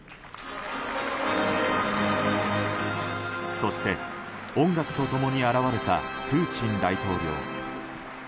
そして、音楽と共に現れたプーチン大統領。